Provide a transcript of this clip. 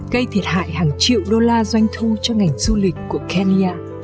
gây thiệt hại hàng triệu đô la doanh thu cho ngành du lịch của kenya